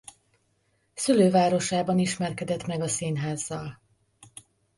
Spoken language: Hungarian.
Szülővárosában ismerkedett meg a színházzal.